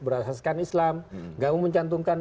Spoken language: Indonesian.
berasaskan islam nggak memencantumkan